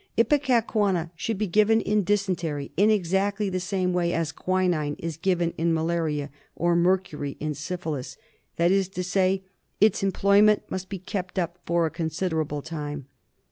Ipecacuanha should be given in dysentery in exactly the same way as quinine is given in malaria or mercury in syphilis; that is to say, its employment must be kept up for a con siderable time.